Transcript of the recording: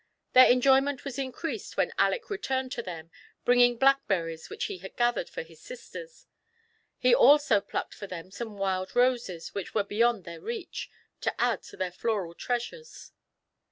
Their en joyment was increased when Aleck retiumed to them, bringing blackberries which he had gathered for his sisters ; he also plucked for them some wild roses which were beyond their reach, to add to their floral treasures.